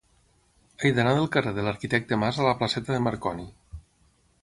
He d'anar del carrer de l'Arquitecte Mas a la placeta de Marconi.